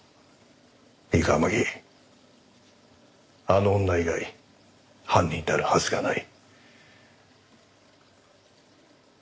いいか天樹あの女以外犯人であるはずがない。